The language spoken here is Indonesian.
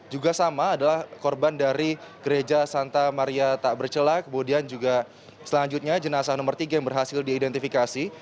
juga sama adalah korban dari gereja santa maria tak bercela kemudian juga selanjutnya jenazah nomor tiga yang berhasil diidentifikasi